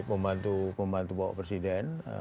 pembantu bapak presiden